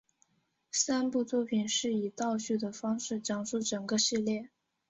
三部作品是以倒叙的方式讲述整个系列。